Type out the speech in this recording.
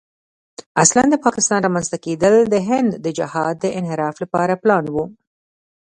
اصلاً د پاکستان رامنځته کېدل د هند د جهاد د انحراف لپاره پلان و.